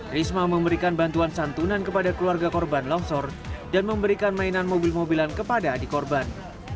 risma memberikan bantuan santunan kepada keluarga korban longsor dan memberikan mainan mobil mobilan kepada adik korban